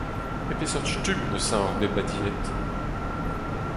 E peseurt stumm neuze oc'h bet badezet ?